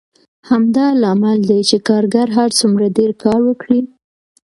همدا لامل دی چې کارګر هر څومره ډېر کار وکړي